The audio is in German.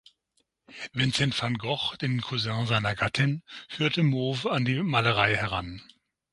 Vincent van Gogh, den Cousin seiner Gattin, führte Mauve an die Malerei heran.